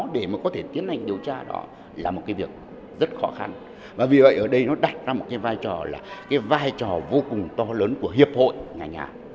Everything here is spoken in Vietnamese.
đặt ra một cái vai trò là cái vai trò vô cùng to lớn của hiệp hội